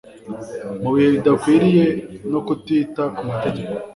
mu bihe bidakwiriye no kutita ku mategeko